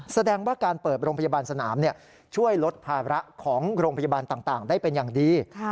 แสดงว่าการเปิดโรงพยาบาลสนามช่วยลดภาระของโรงพยาบาลต่างได้เป็นอย่างดี